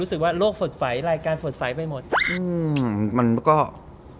สวนง้าย